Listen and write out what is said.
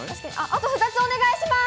あと２つお願いします。